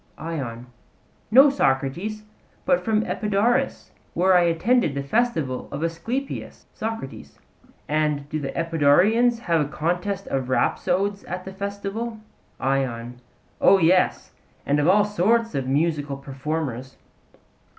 ION: No, Socrates; but from Epidaurus, where I attended the festival of Asclepius. SOCRATES: And do the Epidaurians have contests of rhapsodes at the festival? ION: O yes; and of all sorts of musical performers.